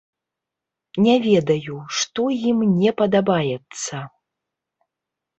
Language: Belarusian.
Не ведаю, што ім не падабаецца.